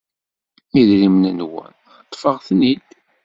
idrimen-nwen, ṭṭfeɣ-ten-id.